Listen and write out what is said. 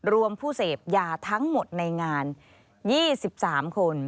ผู้เสพยาทั้งหมดในงาน๒๓คน